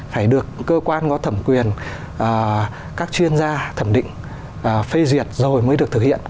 phải được cơ quan có thẩm quyền các chuyên gia thẩm định phê duyệt rồi mới được thực hiện